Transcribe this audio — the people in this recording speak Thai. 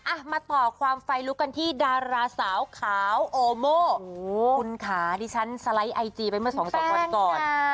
อ่ะมาต่อความไฟลุคกันที่ดาราสาวขาวโอโม่โอ้โหคุณขาที่ฉันสไลด์ไอจีไปเมื่อสองสองวันก่อนคุณแป้งน่า